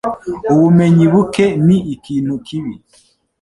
Ubumenyi buke ni ikintu kibi